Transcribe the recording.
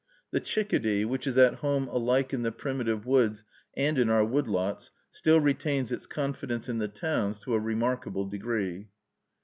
The chickadee, which is at home alike in the primitive woods and in our wood lots, still retains its confidence in the towns to a remarkable degree.